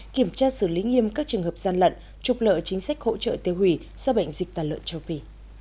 kiểm tra xử lý nghiêm các trường hợp gian lận trục lợi chính sách hỗ trợ tiêu hủy do bệnh dịch tàn lợn châu phi